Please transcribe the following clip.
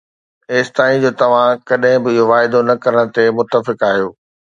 ايستائين جو توهان ڪڏهن به اهو واعدو نه ڪرڻ تي متفق آهيو